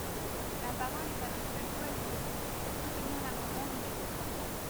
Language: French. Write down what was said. La parole est à Monsieur Joël Giraud, pour soutenir l’amendement numéro trois cents.